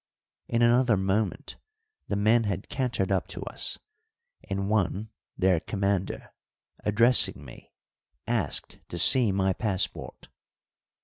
In another moment the men had cantered up to us, and one, their commander, addressing me, asked to see my passport.